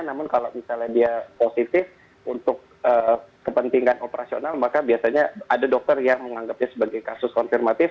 namun kalau misalnya dia positif untuk kepentingan operasional maka biasanya ada dokter yang menganggapnya sebagai kasus konfirmatif